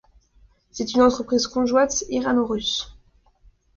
C'est une entreprise conjointe irano-russe.